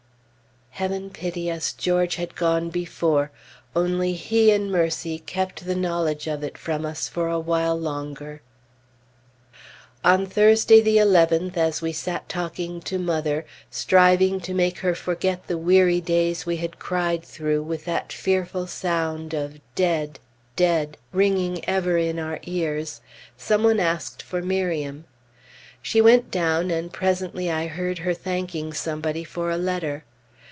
Heaven pity us! George had gone before only He in mercy kept the knowledge of it from us for a while longer. On Thursday the 11th, as we sat talking to mother, striving to make her forget the weary days we had cried through with that fearful sound of "Dead! Dead!" ringing ever in our ears, some one asked for Miriam. She went down, and presently I heard her thanking somebody for a letter.